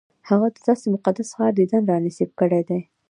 هغه د داسې مقدس ښار دیدن را نصیب کړی دی.